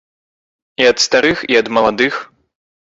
І ад старых, і ад маладых.